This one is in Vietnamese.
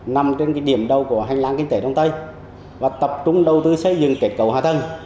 nằm trên điểm đầu của hành lang kinh tế đông tây và tập trung đầu tư xây dựng kết cấu hạ tầng